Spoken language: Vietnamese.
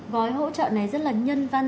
gói hỗ trợ này rất là nhân văn